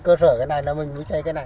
cơ sở cái này là mình mới xây cái này